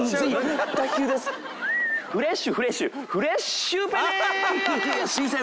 フレッシュフレッシュフレッシュウペイです！